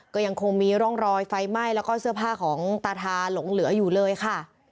ก็ยังคงมีร่องรอยไฟไหม้แล้วก็เสื้อผ้าของตาทาหลงเหลืออยู่เลยค่ะ